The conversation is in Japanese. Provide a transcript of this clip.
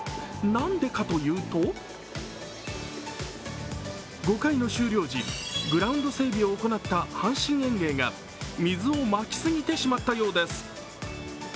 なんでかというと５回の終了時、グラウンド整備を行った阪神園芸が水をまき過ぎてしまったようです。